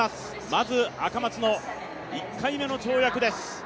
まず、赤松の１回目の跳躍です。